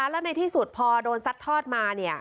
แล้วในที่สุดพอโดนซัดทอดมา